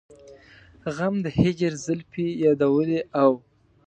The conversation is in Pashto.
غم د هجر زلفې يادولې او